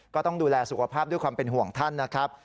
ก็ต้องดูแลสุขภาพด้วยความเป็นห่วงท่านนะครับ